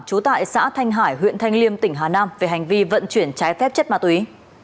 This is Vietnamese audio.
trú tại xã thanh hải huyện thanh liêm tỉnh hà nam về hành vi vận chuyển trái phép chất ma túy